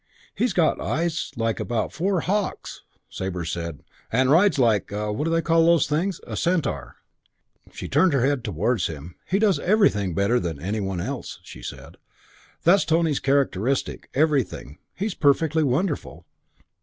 He's got eyes like about four hawks!" Sabre said, "And rides like a what do they call those things? like a centaur." She turned her head towards him. "He does everything better than any one else," she said. "That's Tony's characteristic. Everything. He's perfectly wonderful."